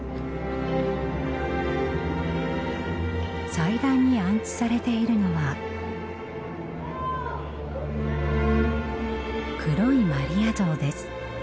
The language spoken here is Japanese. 祭壇に安置されているのは黒いマリア像です。